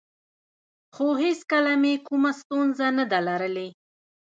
خو هېڅکله مې کومه ستونزه نه ده لرلې